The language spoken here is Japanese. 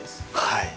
はい！